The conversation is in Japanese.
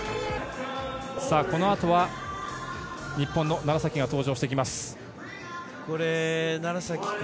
このあとは、日本の楢崎が登場してきます。